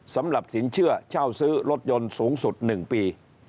สำหรับสินเชื่อเช่าซื้อรถยนต์สูงสุด๑ปี